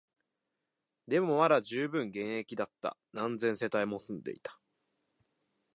でも、まだ充分現役だった、何千世帯も住んでいた